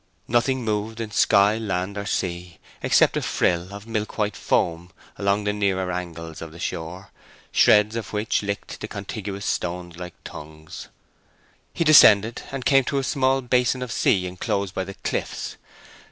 Nothing moved in sky, land, or sea, except a frill of milkwhite foam along the nearer angles of the shore, shreds of which licked the contiguous stones like tongues. He descended and came to a small basin of sea enclosed by the cliffs.